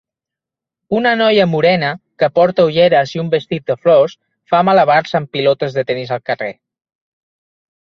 Una noia morena que porta ulleres i un vestit de flors fa malabars amb pilotes de tenis al carrer.